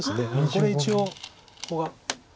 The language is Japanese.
これ一応ここが。